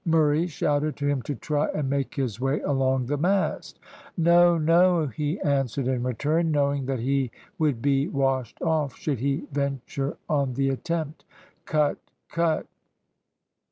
Murray shouted to him to try and make his way along the mast. "No, no!" he answered in return, knowing that he would be washed off should he venture on the attempt. "Cut cut!"